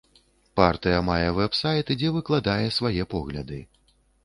Партыя мае вэб-сайт, дзе выкладае свае погляды.